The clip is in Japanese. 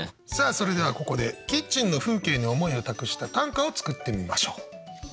さあそれではここでキッチンの風景に思いを託した短歌を作ってみましょう。